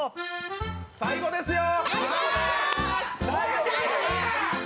最後ですよ。